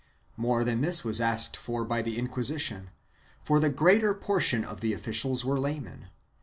2 More than this was asked for by the Inquisition, for the greater portion of its officials were laymen.